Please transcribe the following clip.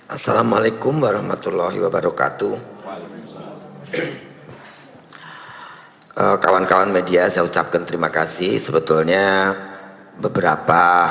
assalamualaikum warahmatullahi wabarakatuh